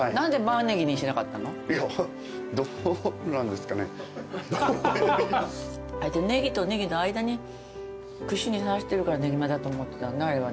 じゃあネギとネギの間に串に刺してるからねぎまだと思ってたんだあれはね。